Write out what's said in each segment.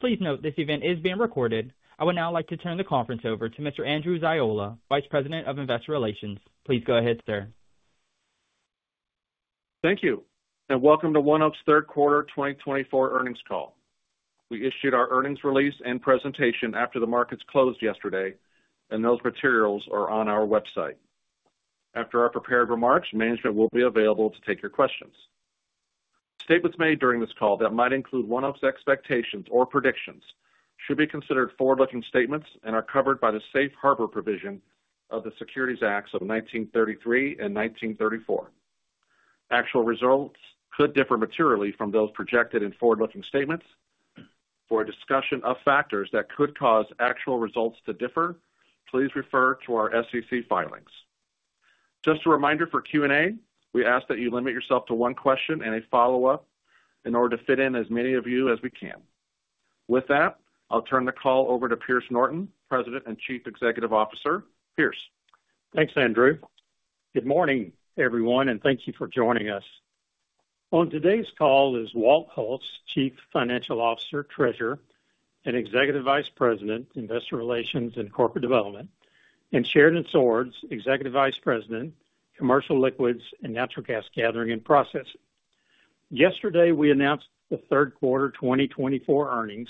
Please note this event is being recorded. I would now like to turn the conference over to Mr. Andrew Ziola, Vice President of Investor Relations. Please go ahead, sir. Thank you, and welcome to ONEOK's third quarter 2024 earnings call. We issued our earnings release and presentation after the markets closed yesterday, and those materials are on our website. After our prepared remarks, management will be available to take your questions. Statements made during this call that might include ONEOK's expectations or predictions should be considered forward-looking statements and are covered by the safe harbor provision of the Securities Acts of 1933 and 1934. Actual results could differ materially from those projected in forward-looking statements. For a discussion of factors that could cause actual results to differ, please refer to our SEC filings. Just a reminder for Q&A: we ask that you limit yourself to one question and a follow-up in order to fit in as many of you as we can. With that, I'll turn the call over to Pierce Norton, President and Chief Executive Officer. Pierce. Thanks, Andrew. Good morning, everyone, and thank you for joining us. On today's call is Walt Hulse, Chief Financial Officer, Treasurer, and Executive Vice President, Investor Relations and Corporate Development, and Sheridan Swords, Executive Vice President, Commercial Liquids and Natural Gas Gathering and Processing. Yesterday, we announced the third quarter 2024 earnings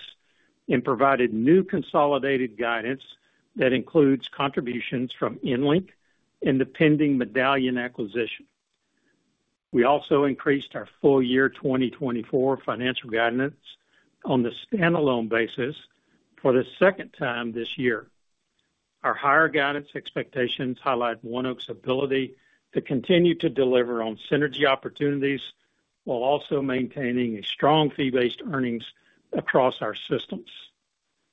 and provided new consolidated guidance that includes contributions from EnLink and the pending Medallion acquisition. We also increased our full year 2024 financial guidance on the standalone basis for the second time this year. Our higher guidance expectations highlight ONEOK's ability to continue to deliver on synergy opportunities while also maintaining strong fee-based earnings across our systems.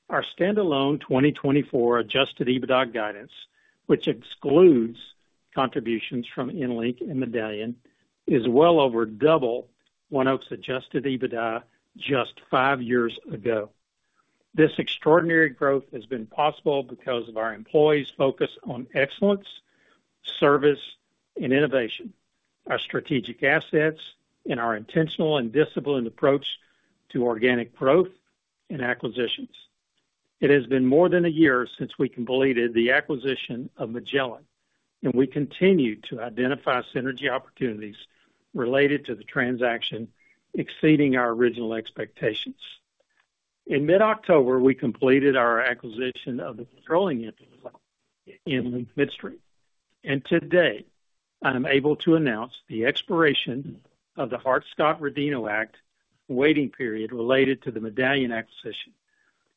Our standalone 2024 Adjusted EBITDA guidance, which excludes contributions from EnLink and Medallion, is well over double ONEOK's Adjusted EBITDA just five years ago. This extraordinary growth has been possible because of our employees' focus on excellence, service, and innovation, our strategic assets, and our intentional and disciplined approach to organic growth and acquisitions. It has been more than a year since we completed the acquisition of Magellan, and we continue to identify synergy opportunities related to the transaction exceeding our original expectations. In mid-October, we completed our acquisition of the controlling entity, EnLink Midstream, and today I am able to announce the expiration of the Hart-Scott-Rodino Act waiting period related to the Medallion acquisition.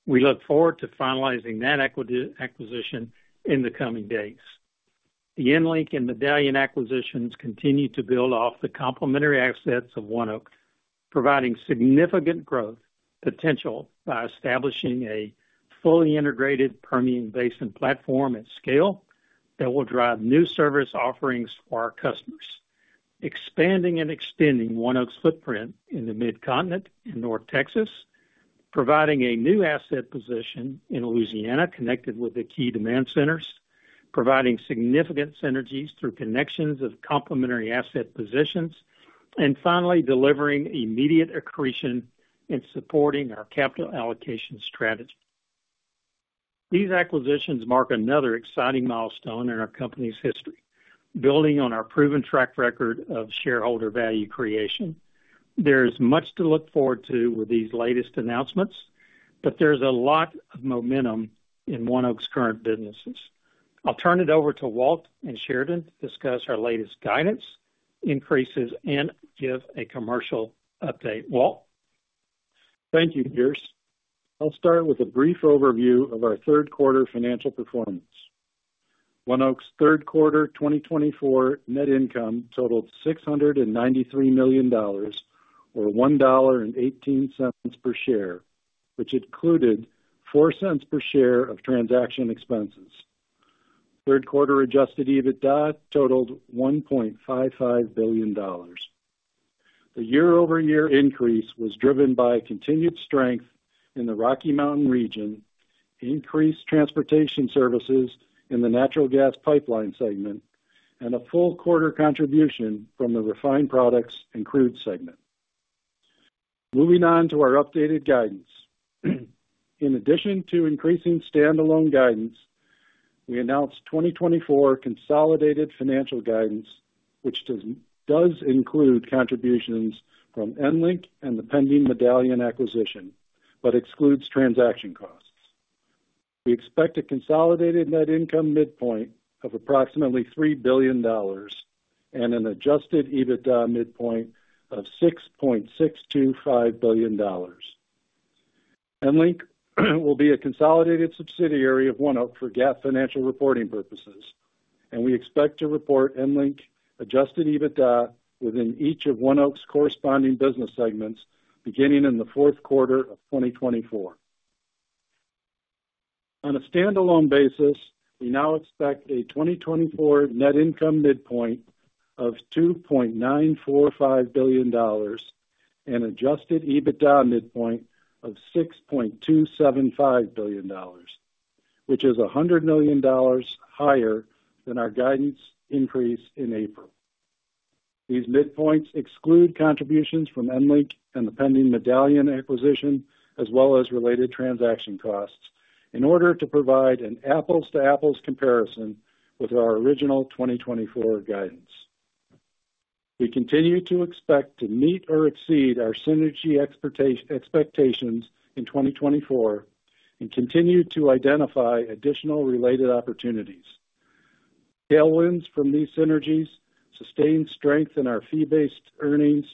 We look forward to finalizing that acquisition in the coming days. The EnLink and Medallion acquisitions continue to build off the complementary assets of ONEOK, providing significant growth potential by establishing a fully integrated Permian Basin platform at scale that will drive new service offerings for our customers, expanding and extending ONEOK's footprint in the Mid-Continent and North Texas, providing a new asset position in Louisiana connected with the key demand centers, providing significant synergies through connections of complementary asset positions, and finally delivering immediate accretion and supporting our capital allocation strategy. These acquisitions mark another exciting milestone in our company's history. Building on our proven track record of shareholder value creation, there is much to look forward to with these latest announcements, but there is a lot of momentum in ONEOK's current businesses. I'll turn it over to Walt and Sheridan to discuss our latest guidance increases and give a commercial update. Walt. Thank you, Pierce. I'll start with a brief overview of our third quarter financial performance. ONEOK's third quarter 2024 net income totaled $693 million, or $1.18 per share, which included $0.04 per share of transaction expenses. Third quarter Adjusted EBITDA totaled $1.55 billion. The year-over-year increase was driven by continued strength in the Rocky Mountain region, increased transportation services in the natural gas pipeline segment, and a full quarter contribution from the refined products and crude segment. Moving on to our updated guidance. In addition to increasing standalone guidance, we announced 2024 consolidated financial guidance, which does include contributions from EnLink and the pending Medallion acquisition, but excludes transaction costs. We expect a consolidated net income midpoint of approximately $3 billion and an Adjusted EBITDA midpoint of $6.625 billion. EnLink will be a consolidated subsidiary of ONEOK for GAAP financial reporting purposes, and we expect to report EnLink Adjusted EBITDA within each of ONEOK's corresponding business segments beginning in the fourth quarter of 2024. On a standalone basis, we now expect a 2024 net income midpoint of $2.945 billion and Adjusted EBITDA midpoint of $6.275 billion, which is $100 million higher than our guidance increase in April. These midpoints exclude contributions from EnLink and the pending Medallion acquisition, as well as related transaction costs, in order to provide an apples-to-apples comparison with our original 2024 guidance. We continue to expect to meet or exceed our synergy expectations in 2024 and continue to identify additional related opportunities. Tailwinds from these synergies, sustained strength in our fee-based earnings,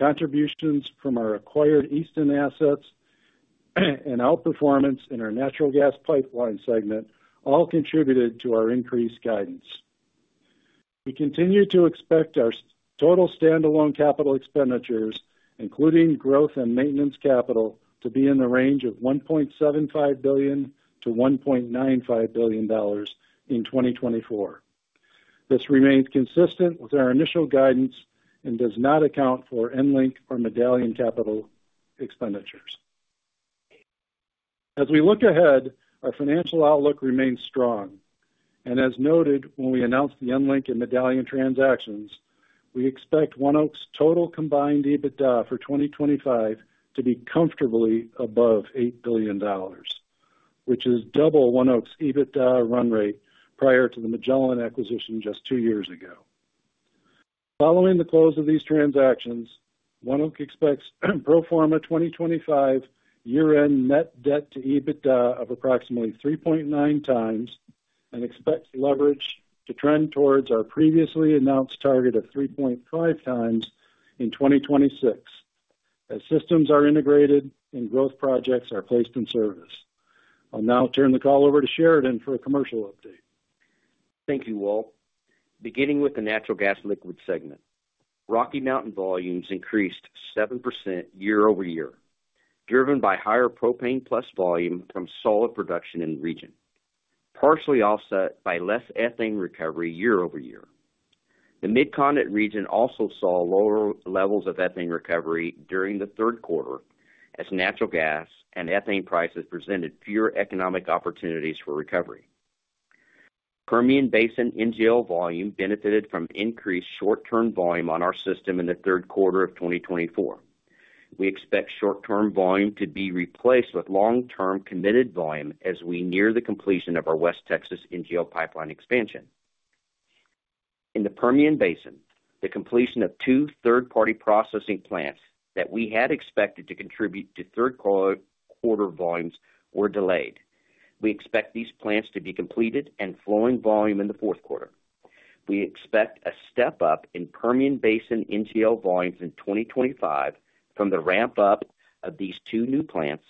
contributions from our acquired Easton assets, and outperformance in our natural gas pipeline segment all contributed to our increased guidance. We continue to expect our total standalone capital expenditures, including growth and maintenance capital, to be in the range of $1.75 billion-$1.95 billion in 2024. This remains consistent with our initial guidance and does not account for EnLink or Medallion capital expenditures. As we look ahead, our financial outlook remains strong, and as noted when we announced the EnLink and Medallion transactions, we expect ONEOK's total combined EBITDA for 2025 to be comfortably above $8 billion, which is double ONEOK's EBITDA run rate prior to the Magellan acquisition just two years ago. Following the close of these transactions, ONEOK expects pro forma 2025 year-end net debt to EBITDA of approximately 3.9 times and expects leverage to trend towards our previously announced target of 3.5 times in 2026 as systems are integrated and growth projects are placed in service. I'll now turn the call over to Sheridan for a commercial update. Thank you, Walt. Beginning with the natural gas liquid segment, Rocky Mountain volumes increased 7% year-over-year, driven by higher propane plus volume from solid production in the region, partially offset by less ethane recovery year-over-year. The Mid-Continent region also saw lower levels of ethane recovery during the third quarter as natural gas and ethane prices presented fewer economic opportunities for recovery. Permian Basin NGL volume benefited from increased short-term volume on our system in the third quarter of 2024. We expect short-term volume to be replaced with long-term committed volume as we near the completion of our West Texas NGL Pipeline expansion. In the Permian Basin, the completion of two third-party processing plants that we had expected to contribute to third quarter volumes were delayed. We expect these plants to be completed and flowing volume in the fourth quarter. We expect a step-up in Permian Basin NGL volumes in 2025 from the ramp-up of these two new plants,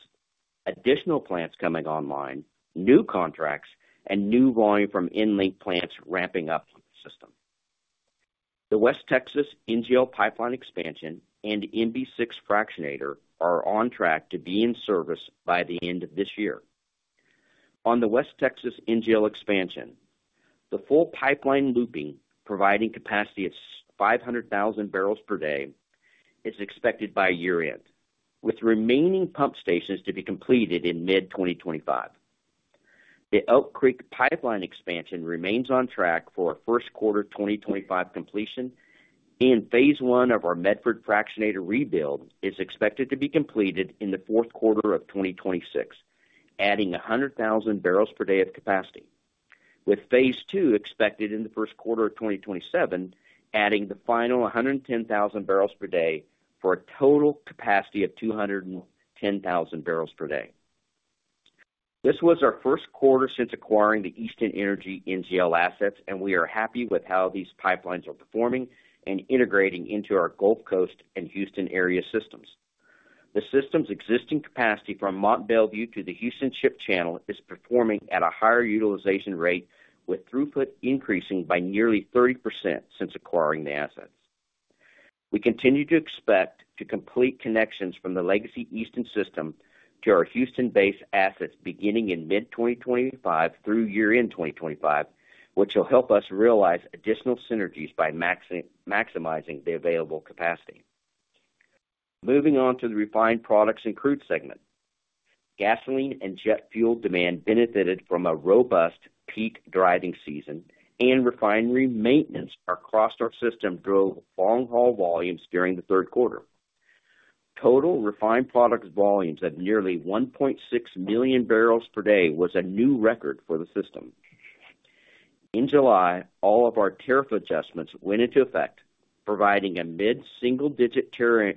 additional plants coming online, new contracts, and new volume from EnLink plants ramping up the system. The West Texas NGL Pipeline expansion and MB-6 Fractionator are on track to be in service by the end of this year. On the West Texas NGL expansion, the full pipeline looping, providing capacity of 500,000 barrels per day, is expected by year-end, with remaining pump stations to be completed in mid-2025. The Elk Creek Pipeline expansion remains on track for first quarter 2025 completion, and phase one of our Medford Fractionator rebuild is expected to be completed in the fourth quarter of 2026, adding 100,000 barrels per day of capacity, with phase two expected in the first quarter of 2027, adding the final 110,000 barrels per day for a total capacity of 210,000 barrels per day. This was our first quarter since acquiring the Easton Energy NGL assets, and we are happy with how these pipelines are performing and integrating into our Gulf Coast and Houston area systems. The system's existing capacity from Mont Belvieu to the Houston Ship Channel is performing at a higher utilization rate, with throughput increasing by nearly 30% since acquiring the assets. We continue to expect to complete connections from the legacy Easton system to our Houston-based assets beginning in mid-2025 through year-end 2025, which will help us realize additional synergies by maximizing the available capacity. Moving on to the refined products and crude segment, gasoline and jet fuel demand benefited from a robust peak driving season, and refinery maintenance across our system drove long-haul volumes during the third quarter. Total refined products volumes of nearly 1.6 million barrels per day was a new record for the system. In July, all of our tariff adjustments went into effect, providing a mid-single-digit tariff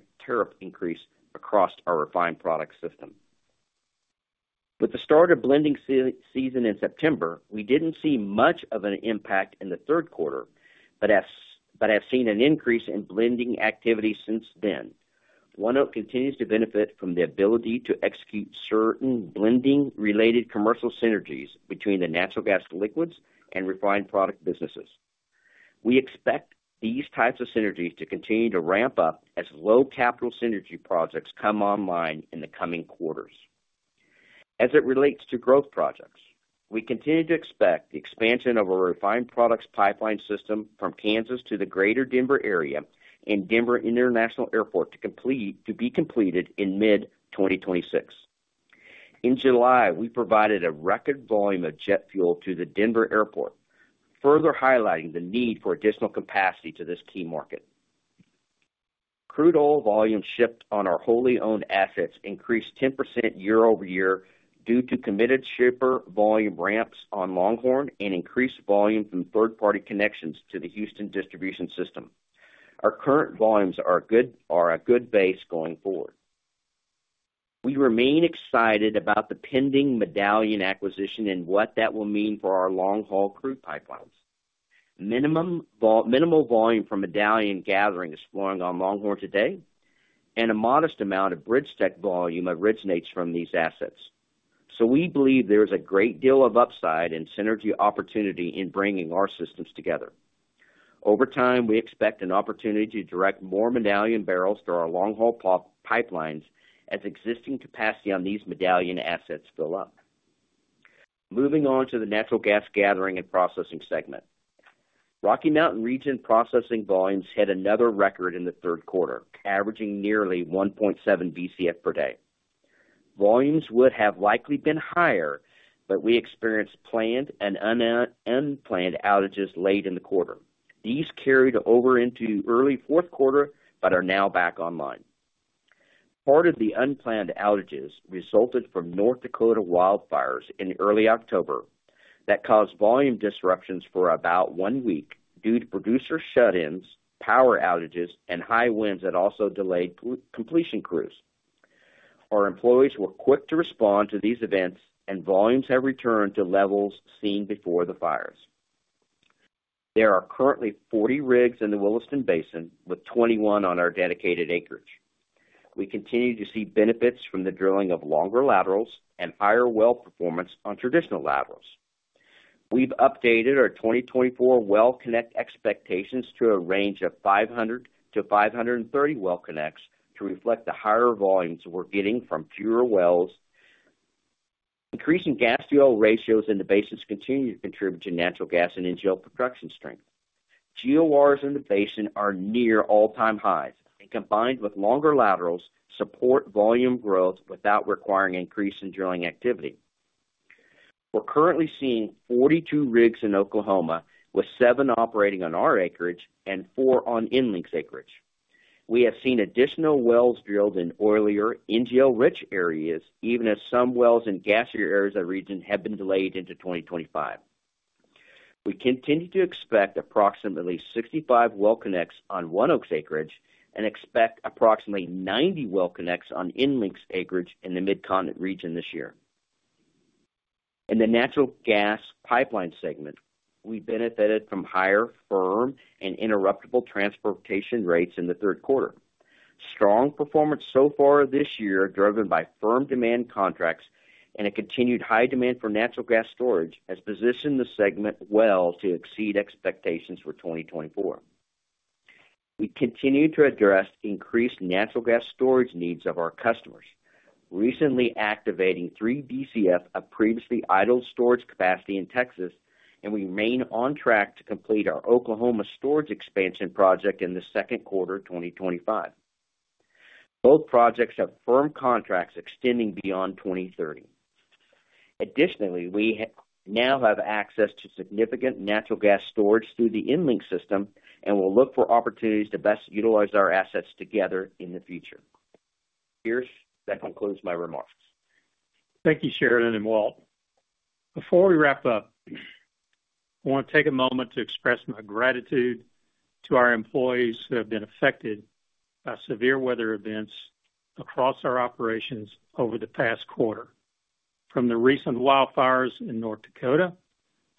increase across our refined product system. With the start of blending season in September, we didn't see much of an impact in the third quarter, but have seen an increase in blending activity since then. ONEOK continues to benefit from the ability to execute certain blending-related commercial synergies between the natural gas liquids and refined product businesses. We expect these types of synergies to continue to ramp up as low-capital synergy projects come online in the coming quarters. As it relates to growth projects, we continue to expect the expansion of our refined products pipeline system from Kansas to the greater Denver area and Denver International Airport to be completed in mid-2026. In July, we provided a record volume of jet fuel to the Denver Airport, further highlighting the need for additional capacity to this key market. Crude oil volume shipped on our wholly owned assets increased 10% year-over-year due to committed shipper volume ramps on Longhorn and increased volume from third-party connections to the Houston distribution system. Our current volumes are a good base going forward. We remain excited about the pending Medallion acquisition and what that will mean for our long-haul crude pipelines. Minimal volume from Medallion gathering is flowing on Longhorn today, and a modest amount of BridgeTex volume originates from these assets. So we believe there is a great deal of upside and synergy opportunity in bringing our systems together. Over time, we expect an opportunity to direct more Medallion barrels to our long-haul pipelines as existing capacity on these Medallion assets fill up. Moving on to the natural gas gathering and processing segment, Rocky Mountain region processing volumes hit another record in the third quarter, averaging nearly 1.7 BCF per day. Volumes would have likely been higher, but we experienced planned and unplanned outages late in the quarter. These carried over into early fourth quarter but are now back online. Part of the unplanned outages resulted from North Dakota wildfires in early October that caused volume disruptions for about one week due to producer shut-ins, power outages, and high winds that also delayed completion crews. Our employees were quick to respond to these events, and volumes have returned to levels seen before the fires. There are currently 40 rigs in the Williston Basin, with 21 on our dedicated acreage. We continue to see benefits from the drilling of longer laterals and higher well performance on traditional laterals. We've updated our 2024 well connect expectations to a range of 500 to 530 well connects to reflect the higher volumes we're getting from fewer wells. Increasing gas-to-oil ratios in the basins continue to contribute to natural gas and NGL production strength. GORs in the basin are near all-time highs, and combined with longer laterals, support volume growth without requiring increase in drilling activity. We're currently seeing 42 rigs in Oklahoma, with seven operating on our acreage and four on EnLink's acreage. We have seen additional wells drilled in earlier NGL-rich areas, even as some wells in gassier areas of the region have been delayed into 2025. We continue to expect approximately 65 well connects on ONEOK's acreage and expect approximately 90 well connects on EnLink's acreage in the Mid-Continent region this year. In the natural gas pipeline segment, we benefited from higher firm and interruptible transportation rates in the third quarter. Strong performance so far this year, driven by firm demand contracts and a continued high demand for natural gas storage, has positioned the segment well to exceed expectations for 2024. We continue to address increased natural gas storage needs of our customers, recently activating 3 BCF of previously idled storage capacity in Texas, and we remain on track to complete our Oklahoma storage expansion project in the second quarter of 2025. Both projects have firm contracts extending beyond 2030. Additionally, we now have access to significant natural gas storage through the EnLink system and will look for opportunities to best utilize our assets together in the future. Pierce, that concludes my remarks. Thank you, Sheridan and Walt. Before we wrap up, I want to take a moment to express my gratitude to our employees who have been affected by severe weather events across our operations over the past quarter, from the recent wildfires in North Dakota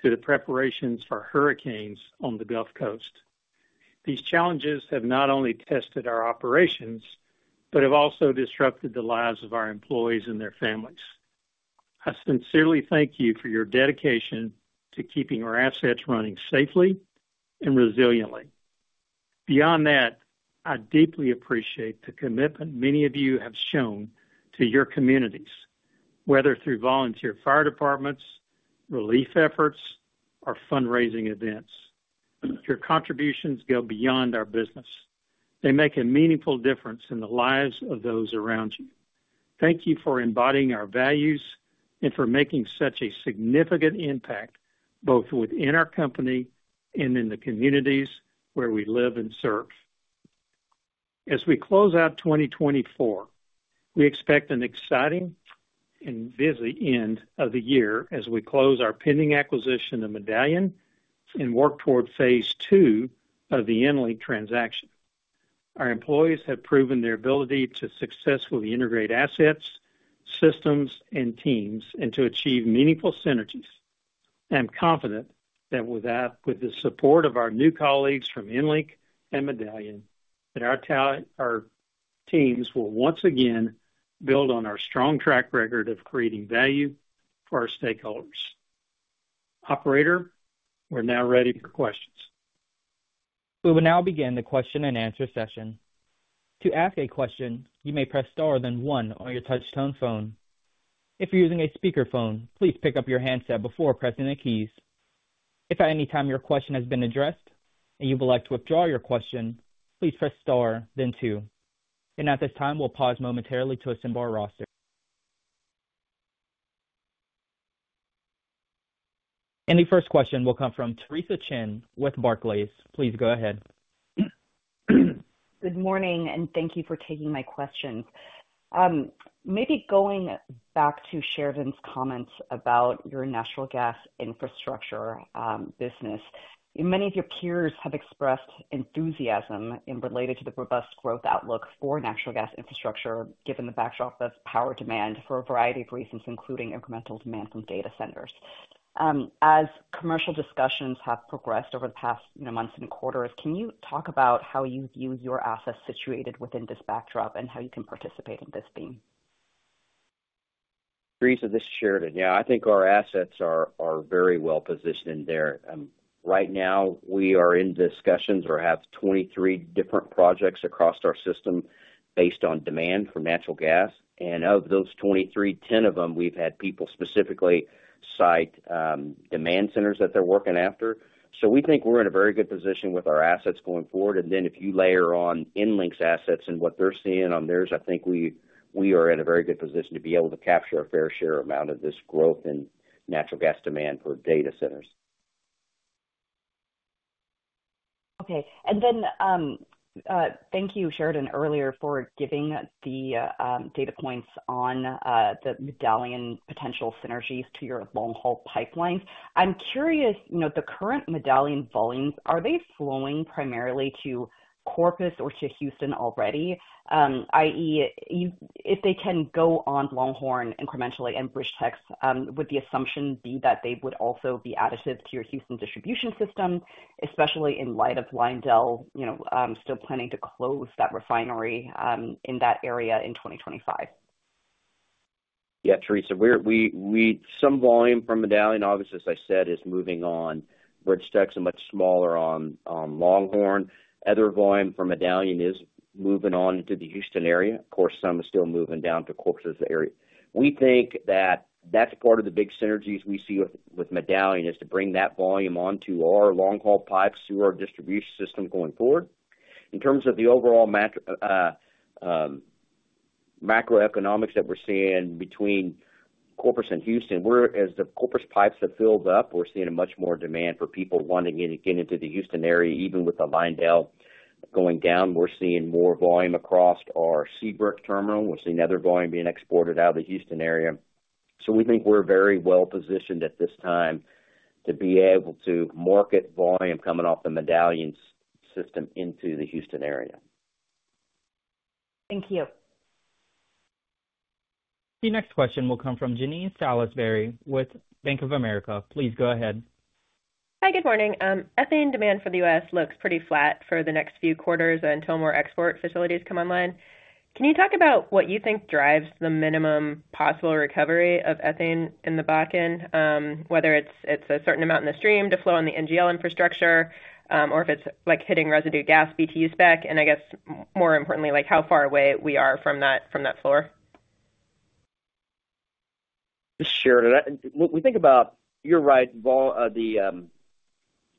to the preparations for hurricanes on the Gulf Coast. These challenges have not only tested our operations but have also disrupted the lives of our employees and their families. I sincerely thank you for your dedication to keeping our assets running safely and resiliently. Beyond that, I deeply appreciate the commitment many of you have shown to your communities, whether through volunteer fire departments, relief efforts, or fundraising events. Your contributions go beyond our business. They make a meaningful difference in the lives of those around you. Thank you for embodying our values and for making such a significant impact both within our company and in the communities where we live and serve. As we close out 2024, we expect an exciting and busy end of the year as we close our pending acquisition of Medallion and work toward phase two of the EnLink transaction. Our employees have proven their ability to successfully integrate assets, systems, and teams and to achieve meaningful synergies. I'm confident that with the support of our new colleagues from EnLink and Medallion, our teams will once again build on our strong track record of creating value for our stakeholders. Operator, we're now ready for questions. We will now begin the question-and-answer session. To ask a question, you may press star then one on your touch-tone phone. If you're using a speakerphone, please pick up your handset before pressing the keys. If at any time your question has been addressed and you would like to withdraw your question, please press star then two, and at this time, we'll pause momentarily to assemble our roster, and the first question will come from Theresa Chen with Barclays. Please go ahead. Good morning, and thank you for taking my questions. Maybe going back to Sheridan's comments about your natural gas infrastructure business, many of your peers have expressed enthusiasm related to the robust growth outlook for natural gas infrastructure given the backdrop of power demand for a variety of reasons, including incremental demand from data centers. As commercial discussions have progressed over the past months and quarters, can you talk about how you view your assets situated within this backdrop and how you can participate in this theme? Theresa, this is Sheridan. Yeah, I think our assets are very well positioned there. Right now, we are in discussions or have 23 different projects across our system based on demand for natural gas. And of those 23, 10 of them we've had people specifically cite demand centers that they're working after. So we think we're in a very good position with our assets going forward. And then if you layer on EnLink's assets and what they're seeing on theirs, I think we are in a very good position to be able to capture a fair share amount of this growth in natural gas demand for data centers. Okay. And then thank you, Sheridan, earlier for giving the data points on the Medallion potential synergies to your long-haul pipelines. I'm curious, the current Medallion volumes, are they flowing primarily to Corpus or to Houston already? i.e., if they can go on Longhorn incrementally and BridgeTex, would the assumption be that they would also be additive to your Houston distribution system, especially in light of Lyondell still planning to close that refinery in that area in 2025? Yeah, Teresa, some volume from Medallion, obviously, as I said, is moving on. BridgeTex is much smaller on Longhorn. Other volume from Medallion is moving on into the Houston area. Of course, some is still moving down to Corpus area. We think that that's part of the big synergies we see with Medallion is to bring that volume onto our long-haul pipes through our distribution system going forward. In terms of the overall macroeconomics that we're seeing between Corpus and Houston, as the Corpus pipes have filled up, we're seeing much more demand for people wanting to get into the Houston area. Even with LyondellBasell going down, we're seeing more volume across our Seabrook Terminal. We're seeing other volume being exported out of the Houston area. We think we're very well positioned at this time to be able to market volume coming off the Medallion system into the Houston area. Thank you. The next question will come from Jean Ann Salisbury with Bank of America. Please go ahead. Hi, good morning. Ethane demand for the U.S. looks pretty flat for the next few quarters until more export facilities come online. Can you talk about what you think drives the minimum possible recovery of ethane in the back end, whether it's a certain amount in the stream to flow on the NGL infrastructure or if it's hitting residue gas BTU spec, and I guess, more importantly, how far away we are from that floor? Sheridan, we think you're right, the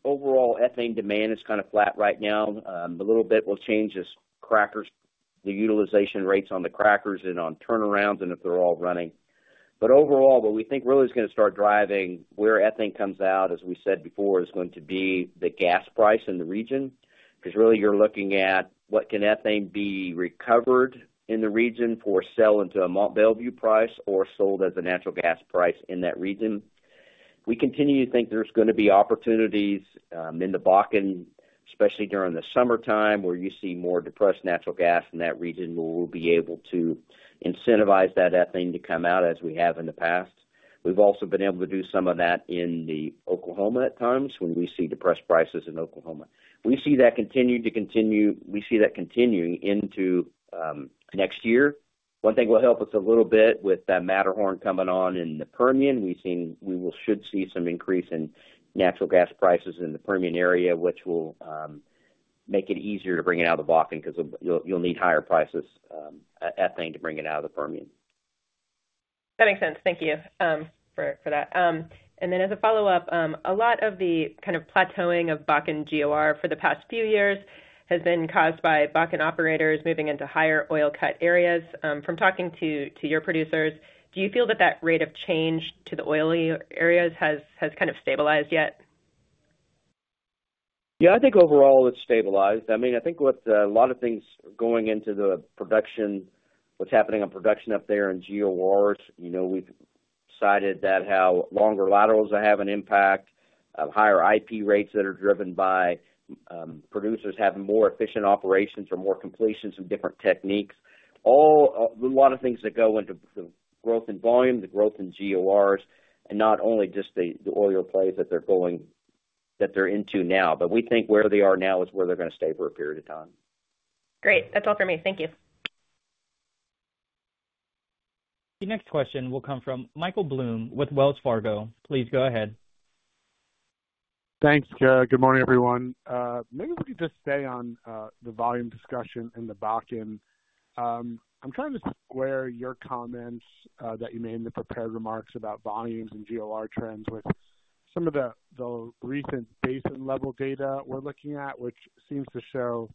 overall ethane demand is kind of flat right now. A little bit will change as the utilization rates on the crackers and on turnarounds and if they're all running. But overall, what we think really is going to start driving where ethane comes out, as we said before, is going to be the gas price in the region because really you're looking at what can ethane be recovered in the region for sell into a Mont Belvieu price or sold as a natural gas price in that region. We continue to think there's going to be opportunities in the back end, especially during the summertime where you see more depressed natural gas in that region, we'll be able to incentivize that ethane to come out as we have in the past. We've also been able to do some of that in Oklahoma at times when we see depressed prices in Oklahoma. We see that continue to continue. We see that continuing into next year. One thing will help us a little bit with that Matterhorn coming on in the Permian. We should see some increase in natural gas prices in the Permian area, which will make it easier to bring it out of the back end because you'll need higher ethane prices to bring it out of the Permian. That makes sense. Thank you for that. And then as a follow-up, a lot of the kind of plateauing of back end GOR for the past few years has been caused by back end operators moving into higher oil cut areas. From talking to your producers, do you feel that that rate of change to the oily areas has kind of stabilized yet? Yeah, I think overall it's stabilized. I mean, I think with a lot of things going into the production, what's happening on production up there in GORs, we've decided that how longer laterals have an impact, higher IP rates that are driven by producers having more efficient operations or more completions from different techniques, all a lot of things that go into the growth in volume, the growth in GORs, and not only just the oil plays that they're going that they're into now, but we think where they are now is where they're going to stay for a period of time. Great. That's all for me. Thank you. The next question will come from Michael Blum with Wells Fargo. Please go ahead. Thanks. Good morning, everyone. Maybe we could just stay on the volume discussion in the back end. I'm trying to square your comments that you made in the prepared remarks about volumes and GOR trends with some of the recent basin-level data we're looking at, which seems to show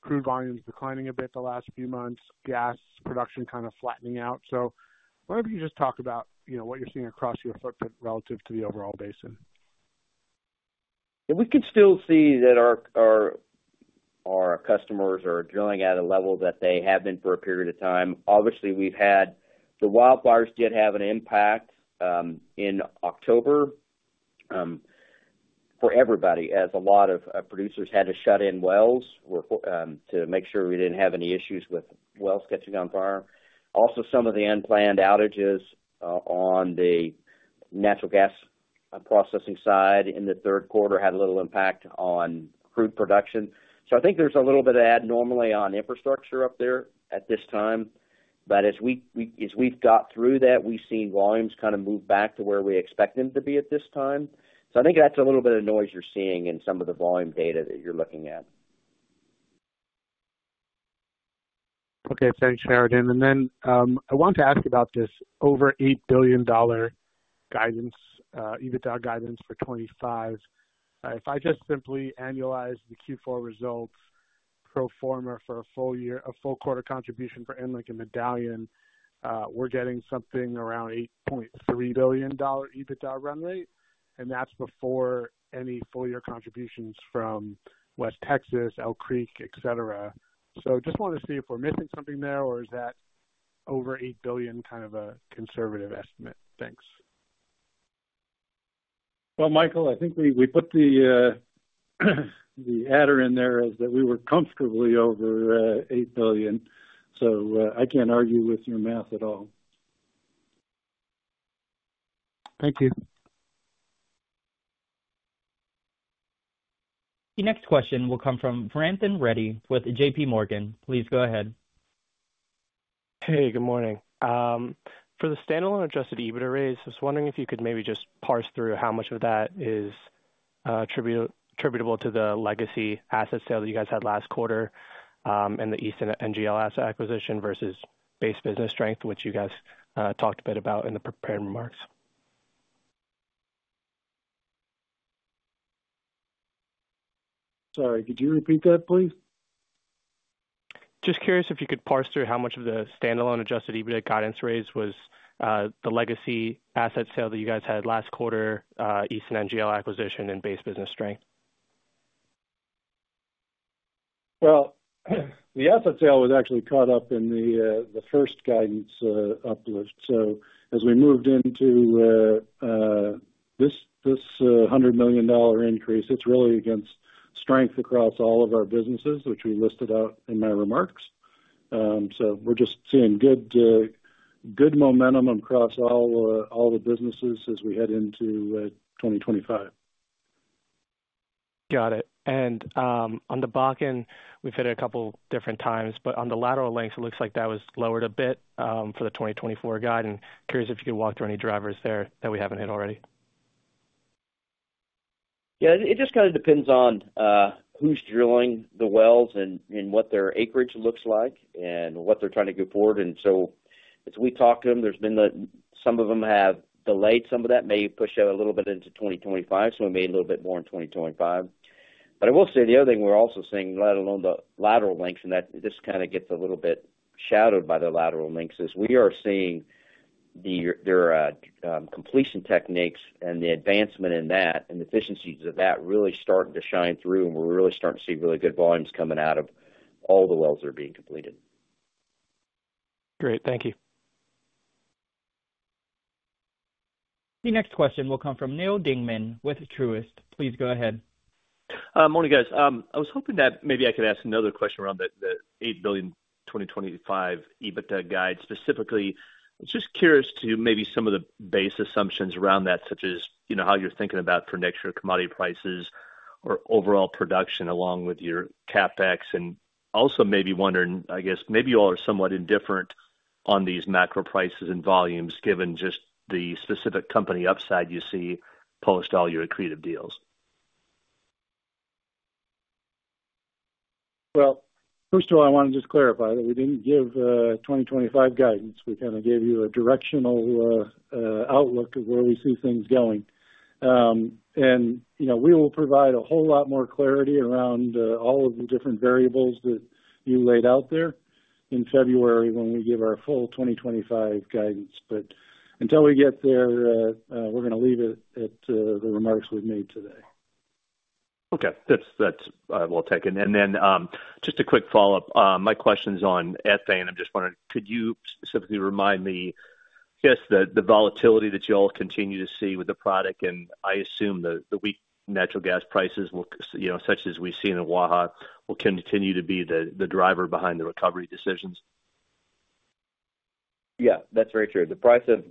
crude volumes declining a bit the last few months, gas production kind of flattening out. So why don't you just talk about what you're seeing across your footprint relative to the overall basin? We could still see that our customers are drilling at a level that they have been for a period of time. Obviously, we've had the wildfires did have an impact in October for everybody as a lot of producers had to shut in wells to make sure we didn't have any issues with wells catching on fire. Also, some of the unplanned outages on the natural gas processing side in the third quarter had a little impact on crude production. So I think there's a little bit of abnormality on infrastructure up there at this time. But as we've got through that, we've seen volumes kind of move back to where we expect them to be at this time. So I think that's a little bit of noise you're seeing in some of the volume data that you're looking at. Okay. Thanks, Sheridan. And then I wanted to ask about this over $8 billion guidance, EBITDA guidance for 2025. If I just simply annualize the Q4 results pro forma for a full-year, a full-quarter contribution for EnLink and Medallion, we're getting something around $8.3 billion EBITDA run rate. And that's before any full-year contributions from West Texas, Elk Creek, etc. So just wanted to see if we're missing something there or is that over $8 billion kind of a conservative estimate? Thanks. Michael, I think we put the adder in there as that we were comfortably over $8 billion. So I can't argue with your math at all. Thank you. The next question will come from Vratan Reddy with J.P. Morgan. Please go ahead. Hey, good morning. For the standalone Adjusted EBITDA rates, I was wondering if you could maybe just parse through how much of that is attributable to the legacy asset sale that you guys had last quarter and the Easton NGL asset acquisition versus base business strength, which you guys talked a bit about in the prepared remarks? Sorry, could you repeat that, please? Just curious if you could parse through how much of the standalone Adjusted EBITDA guidance rates was the legacy asset sale that you guys had last quarter, Easton NGL acquisition, and base business strength? The asset sale was actually caught up in the first guidance uplift. As we moved into this $100 million increase, it's really against strength across all of our businesses, which we listed out in my remarks. We're just seeing good momentum across all the businesses as we head into 2025. Got it. And on the back end, we've hit it a couple of different times, but on the lateral lengths, it looks like that was lowered a bit for the 2024 guide. And curious if you could walk through any drivers there that we haven't hit already? Yeah, it just kind of depends on who's drilling the wells and what their acreage looks like and what they're trying to go forward. And so as we talk to them, there's been some of them have delayed some of that, maybe pushed out a little bit into 2025, so we made a little bit more in 2025. But I will say the other thing we're also seeing, let alone the lateral lengths, and that this kind of gets a little bit shadowed by the lateral lengths is we are seeing their completion techniques and the advancement in that and the efficiencies of that really starting to shine through, and we're really starting to see really good volumes coming out of all the wells that are being completed. Great. Thank you. The next question will come from Neal Dingmann with Truist. Please go ahead. Morning, guys. I was hoping that maybe I could ask another question around the $8 billion 2025 EBITDA guide. Specifically, I'm just curious to maybe some of the base assumptions around that, such as how you're thinking about for next year's commodity prices or overall production along with your CapEx, and also maybe wondering, I guess, maybe you all are somewhat indifferent on these macro prices and volumes given just the specific company upside you see post all your accretive deals. First of all, I want to just clarify that we didn't give 2025 guidance. We kind of gave you a directional outlook of where we see things going, and we will provide a whole lot more clarity around all of the different variables that you laid out there in February when we give our full 2025 guidance, but until we get there, we're going to leave it at the remarks we've made today. Okay. That's well taken. And then just a quick follow-up. My question is on ethane. I'm just wondering, could you specifically remind me, I guess, the volatility that you all continue to see with the product? And I assume the weak natural gas prices, such as we've seen in Waha, will continue to be the driver behind the recovery decisions. Yeah, that's very true. The price of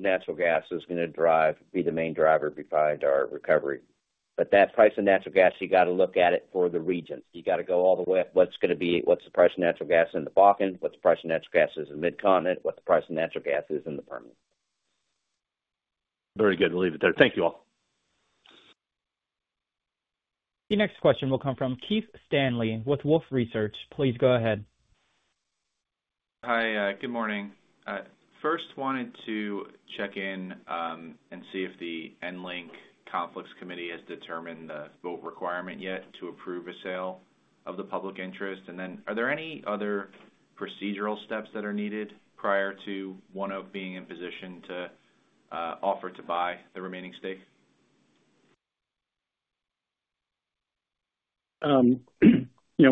natural gas is going to be the main driver behind our recovery. But that price of natural gas, you got to look at it for the regions. You got to go all the way up. What's the price of natural gas in the back end? What's the price of natural gas in the Mid-Continent? What's the price of natural gas in the Permian? Very good. We'll leave it there. Thank you all. The next question will come from Keith Stanley with Wolfe Research. Please go ahead. Hi, good morning. First, wanted to check in and see if the EnLink Conflicts Committee has determined the requirement yet to approve a sale in the public interest. Then are there any other procedural steps that are needed prior to ONEOK being in position to offer to buy the remaining stake?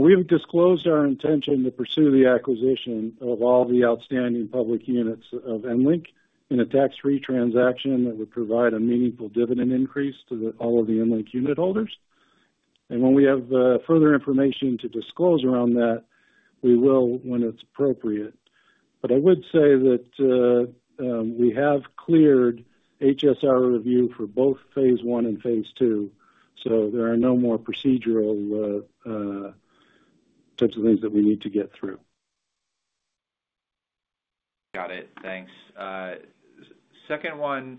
We have disclosed our intention to pursue the acquisition of all the outstanding public units of EnLink in a tax-free transaction that would provide a meaningful dividend increase to all of the EnLink unit holders. And when we have further information to disclose around that, we will when it's appropriate. But I would say that we have cleared HSR review for both phase one and phase two, so there are no more procedural types of things that we need to get through. Got it. Thanks. Second one,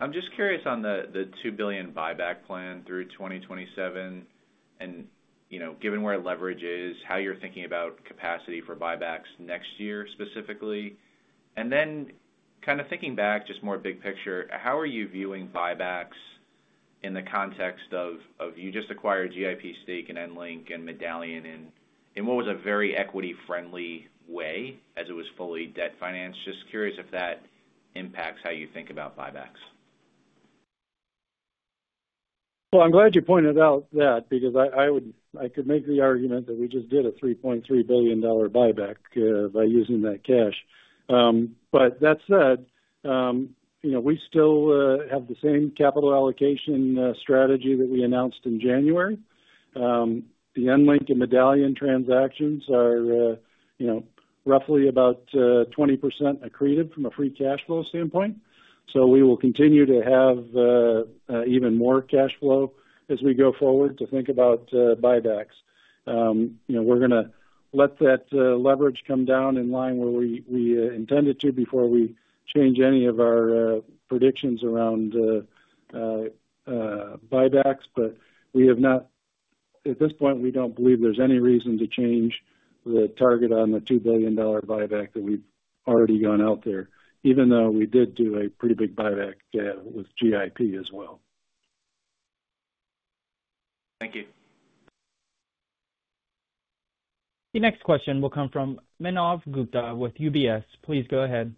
I'm just curious on the $2 billion buyback plan through 2027 and given where leverage is, how you're thinking about capacity for buybacks next year specifically. And then kind of thinking back, just more big picture, how are you viewing buybacks in the context of you just acquired GIP stake in EnLink and Medallion in what was a very equity-friendly way as it was fully debt financed? Just curious if that impacts how you think about buybacks. I'm glad you pointed out that, because I could make the argument that we just did a $3.3 billion buyback by using that cash. But that said, we still have the same capital allocation strategy that we announced in January. The EnLink and Medallion transactions are roughly about 20% accretive from a free cash flow standpoint. So we will continue to have even more cash flow as we go forward to think about buybacks. We're going to let that leverage come down in line where we intended to before we change any of our predictions around buybacks. But at this point, we don't believe there's any reason to change the target on the $2 billion buyback that we've already gone out there, even though we did do a pretty big buyback with GIP as well. Thank you. The next question will come from Manav Gupta with UBS. Please go ahead.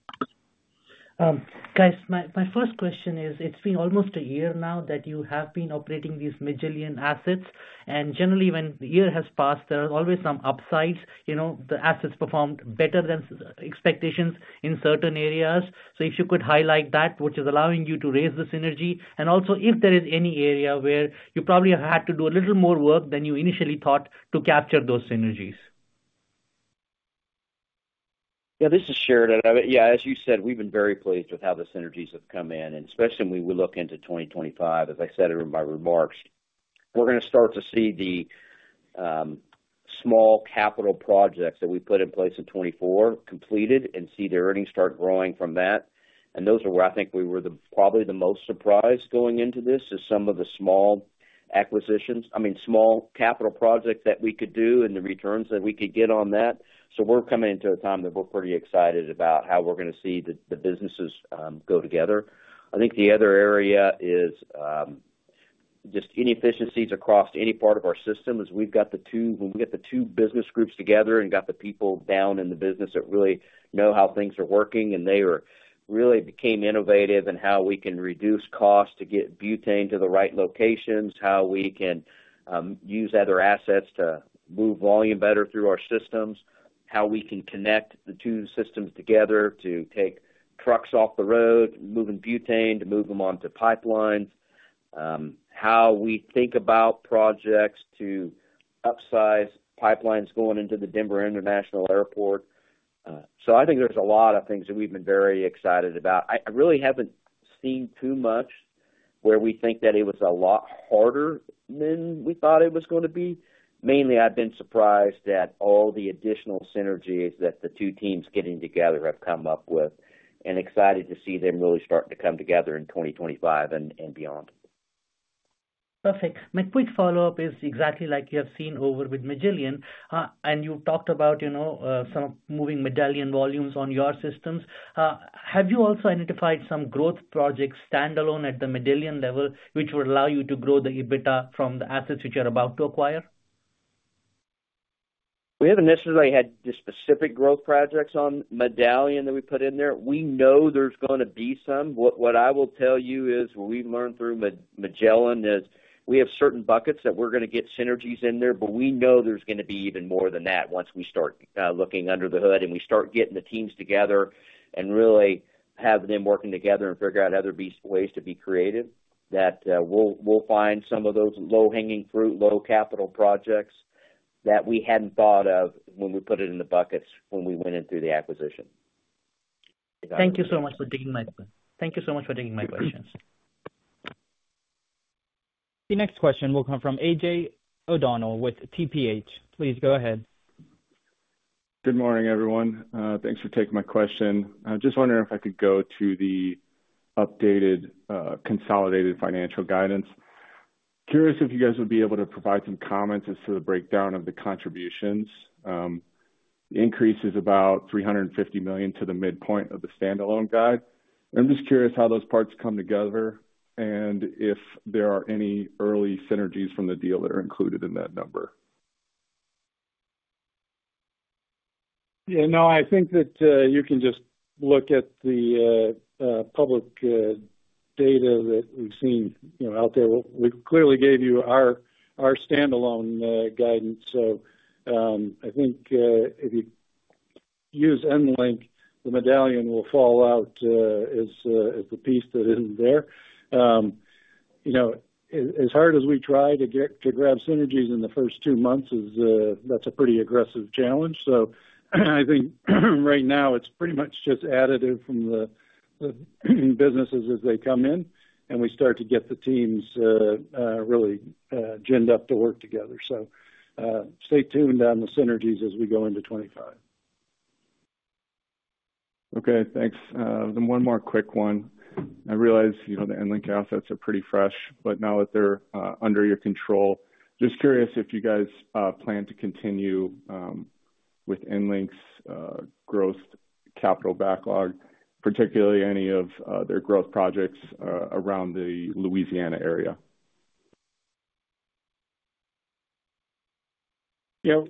Guys, my first question is, it's been almost a year now that you have been operating these Magellan assets. And generally, when the year has passed, there are always some upsides. The assets performed better than expectations in certain areas. So if you could highlight that, what is allowing you to raise the synergies? And also, if there is any area where you probably had to do a little more work than you initially thought to capture those synergies. Yeah, this is Sheridan Swords. Yeah, as you said, we've been very pleased with how the synergies have come in, and especially when we look into 2025, as I said in my remarks, we're going to start to see the small capital projects that we put in place in 2024 completed and see the earnings start growing from that. And those are where I think we were probably the most surprised going into this, is some of the small acquisitions, I mean, small capital projects that we could do and the returns that we could get on that. So we're coming into a time that we're pretty excited about how we're going to see the businesses go together. I think the other area is just inefficiencies across any part of our system is we've got the two when we get the two business groups together and got the people down in the business that really know how things are working, and they really became innovative in how we can reduce costs to get butane to the right locations, how we can use other assets to move volume better through our systems, how we can connect the two systems together to take trucks off the road, moving butane to move them onto pipelines, how we think about projects to upsize pipelines going into the Denver International Airport, so I think there's a lot of things that we've been very excited about. I really haven't seen too much where we think that it was a lot harder than we thought it was going to be. Mainly, I've been surprised at all the additional synergies that the two teams getting together have come up with and excited to see them really start to come together in 2025 and beyond. Perfect. My quick follow-up is exactly like you have seen over with Medallion. And you've talked about some moving Medallion volumes on your systems. Have you also identified some growth projects standalone at the Medallion level which would allow you to grow the EBITDA from the assets which you're about to acquire? We haven't necessarily had specific growth projects on Medallion that we put in there. We know there's going to be some. What I will tell you is we've learned through Magellan is we have certain buckets that we're going to get synergies in there, but we know there's going to be even more than that once we start looking under the hood and we start getting the teams together and really have them working together and figure out other ways to be creative that we'll find some of those low-hanging fruit, low-capital projects that we hadn't thought of when we put it in the buckets when we went in through the acquisition. Thank you so much for taking my questions. The next question will come from AJ O'Donnell with TPH. Please go ahead. Good morning, everyone. Thanks for taking my question. I'm just wondering if I could go to the updated consolidated financial guidance. Curious if you guys would be able to provide some comments as to the breakdown of the contributions. The increase is about $350 million to the midpoint of the standalone guide. I'm just curious how those parts come together and if there are any early synergies from the deal that are included in that number. Yeah, no, I think that you can just look at the public data that we've seen out there. We clearly gave you our standalone guidance. So I think if you use EnLink, the Medallion will fall out as the piece that isn't there. As hard as we try to grab synergies in the first two months, that's a pretty aggressive challenge. So I think right now it's pretty much just additive from the businesses as they come in, and we start to get the teams really ginned up to work together. So stay tuned on the synergies as we go into 2025. Okay. Thanks. Then one more quick one. I realize the EnLink assets are pretty fresh, but now that they're under your control, just curious if you guys plan to continue with EnLink's growth capital backlog, particularly any of their growth projects around the Louisiana area. Yeah.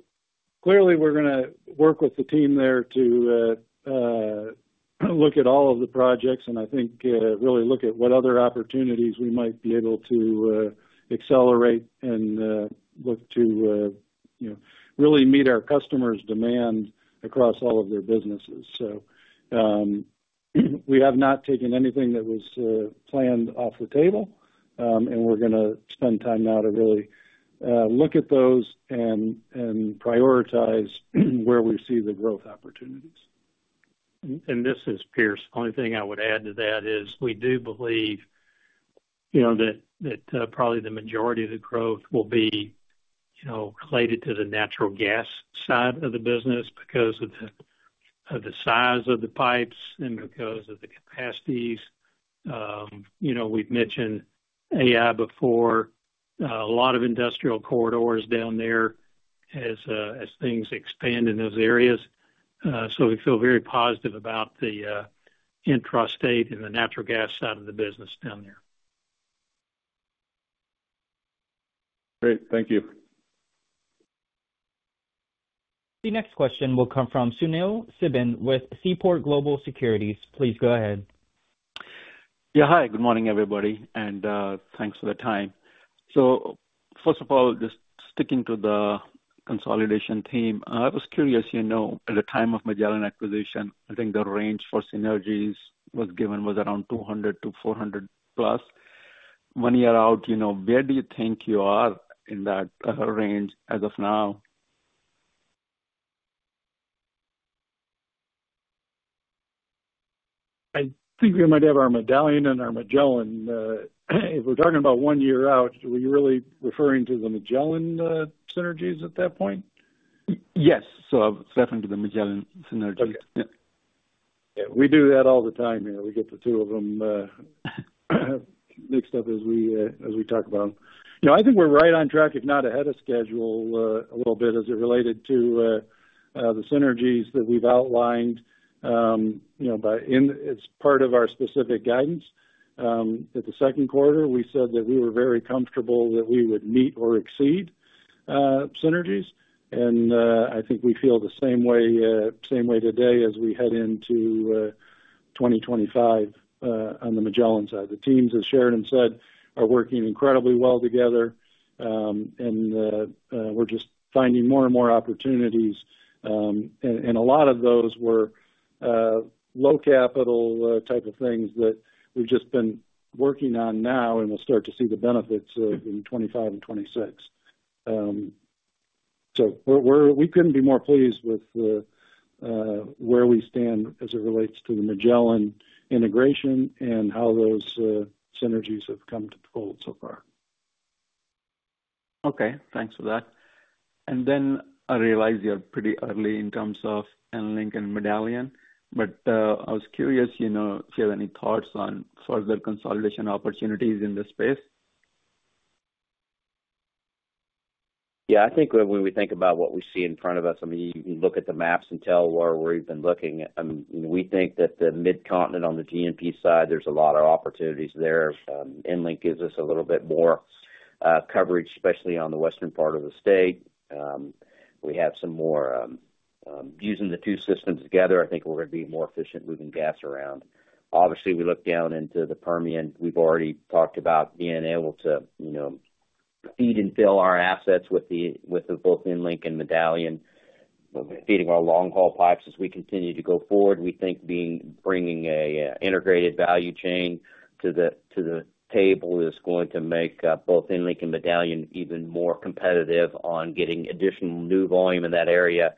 Clearly, we're going to work with the team there to look at all of the projects and I think really look at what other opportunities we might be able to accelerate and look to really meet our customers' demand across all of their businesses, so we have not taken anything that was planned off the table, and we're going to spend time now to really look at those and prioritize where we see the growth opportunities. And this is Pierce. The only thing I would add to that is we do believe that probably the majority of the growth will be related to the natural gas side of the business because of the size of the pipes and because of the capacities. We've mentioned AI before, a lot of industrial corridors down there as things expand in those areas. So we feel very positive about the intrastate and the natural gas side of the business down there. Great. Thank you. The next question will come from Sunil Sibal with Seaport Global Securities. Please go ahead. Yeah. Hi, good morning, everybody. And thanks for the time. So first of all, just sticking to the consolidation theme, I was curious. At the time of Medallion acquisition, I think the range for synergies was given around 200-400 plus. One year out, where do you think you are in that range as of now? I think we might have our Medallion and our Magellan. If we're talking about one year out, are we really referring to the Magellan synergies at that point? Yes. So I was referring to the Magellan synergies. Yeah. Yeah. We do that all the time here. We get the two of them mixed up as we talk about them. I think we're right on track, if not ahead of schedule, a little bit as it related to the synergies that we've outlined as part of our specific guidance. At the second quarter, we said that we were very comfortable that we would meet or exceed synergies. And I think we feel the same way today as we head into 2025 on the Magellan side. The teams, as Sheridan said, are working incredibly well together, and we're just finding more and more opportunities. And a lot of those were low-capital type of things that we've just been working on now and we'll start to see the benefits in 2025 and 2026. So we couldn't be more pleased with where we stand as it relates to the Magellan integration and how those synergies have come to unfold so far. Okay. Thanks for that. And then I realize you're pretty early in terms of EnLink and Medallion, but I was curious if you have any thoughts on further consolidation opportunities in this space. Yeah. I think when we think about what we see in front of us, I mean, you can look at the maps and tell where we've been looking. I mean, we think that the Mid-Continent on the NGL side, there's a lot of opportunities there. EnLink gives us a little bit more coverage, especially on the western part of the state. We have some more using the two systems together, I think we're going to be more efficient moving gas around. Obviously, we look down into the Permian. We've already talked about being able to feed and fill our assets with both EnLink and Medallion. We'll be feeding our long-haul pipes as we continue to go forward. We think bringing an integrated value chain to the table is going to make both EnLink and Medallion even more competitive on getting additional new volume in that area.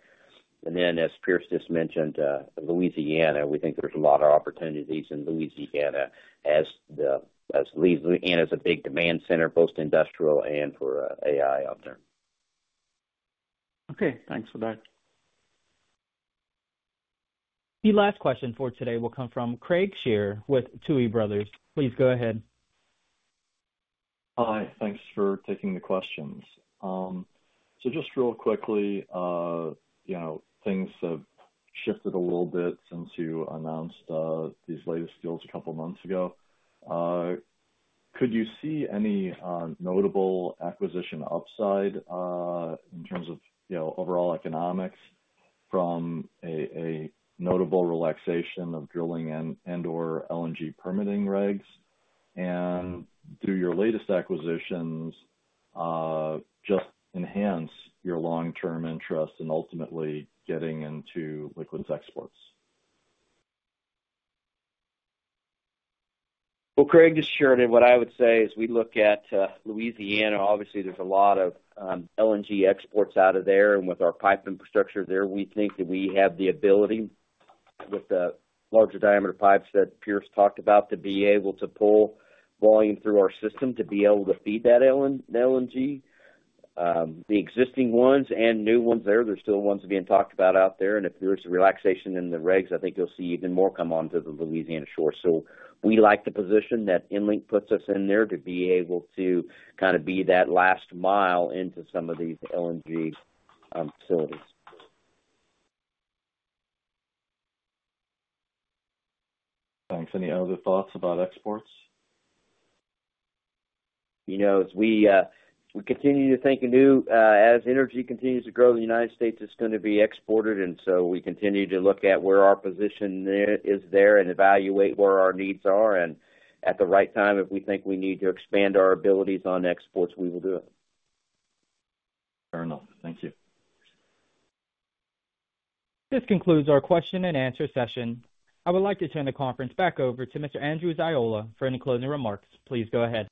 And then, as Pierce just mentioned, Louisiana, we think there's a lot of opportunities in Louisiana as Louisiana is a big demand center, both industrial and for AI out there. Okay. Thanks for that. The last question for today will come from Craig Shere with Tuohy Brothers. Please go ahead. Hi. Thanks for taking the questions. So just real quickly, things have shifted a little bit since you announced these latest deals a couple of months ago. Could you see any notable acquisition upside in terms of overall economics from a notable relaxation of drilling and/or LNG permitting regs? And do your latest acquisitions just enhance your long-term interest in ultimately getting into liquids exports? Craig just shared it. What I would say is we look at Louisiana. Obviously, there's a lot of LNG exports out of there. With our pipe infrastructure there, we think that we have the ability with the larger diameter pipes that Pierce talked about to be able to pull volume through our system to be able to feed that LNG. The existing ones and new ones there, there's still ones being talked about out there. If there's a relaxation in the regs, I think you'll see even more come onto the Louisiana shore. We like the position that EnLink puts us in there to be able to kind of be that last mile into some of these LNG facilities. Thanks. Any other thoughts about exports? As we continue to think anew, as energy continues to grow, the United States is going to be exported. And so we continue to look at where our position is there and evaluate where our needs are. And at the right time, if we think we need to expand our abilities on exports, we will do it. Fair enough. Thank you. This concludes our question and answer session. I would like to turn the conference back over to Mr. Andrew Ziola for any closing remarks. Please go ahead.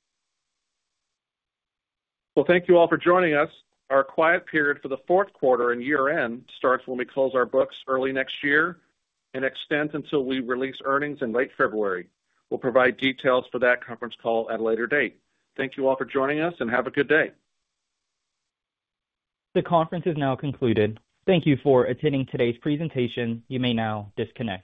Thank you all for joining us. Our quiet period for the fourth quarter and year-end starts when we close our books early next year and extend until we release earnings in late February. We'll provide details for that conference call at a later date. Thank you all for joining us and have a good day. The conference is now concluded. Thank you for attending today's presentation. You may now disconnect.